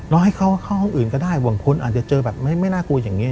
ให้เขาเข้าห้องอื่นก็ได้บางคนอาจจะเจอแบบไม่น่ากลัวอย่างนี้